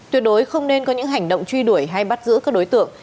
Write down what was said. tuyệt đối không nên có những hành động truy đuổi hay bắt giữ các đối tượng